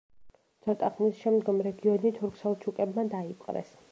ცოტა ხნის შემდგომ რეგიონი, თურქ-სელჩუკებმა დაიპყრეს.